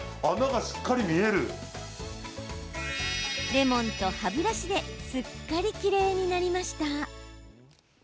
レモンと歯ブラシですっかりきれいになりました。